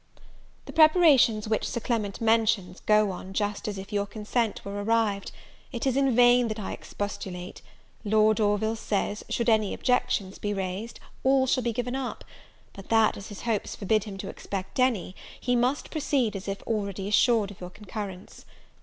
The preparations which Sir Clement mentions, go on just as if your consent were arrived: it is in vain that I expostulate; Lord Orville says, should any objections be raised, all shall be given up; but that, as his hopes forbid him to expect any, he must proceed as if already assured of your concurrence.